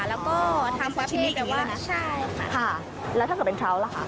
แล้วก็ทำความเป็นแบบว่าใช่ค่ะค่ะแล้วถ้าเกิดเป็นเท้าล่ะค่ะ